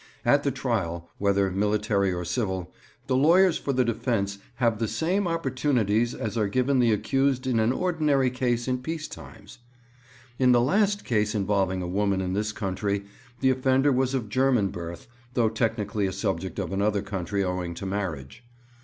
At the trial, whether military or civil, the lawyers for the defence have the same opportunities as are given the accused in an ordinary case in peace times. 'In the last case involving a woman in this country the offender was of German birth, though technically a subject of another country owing to marriage.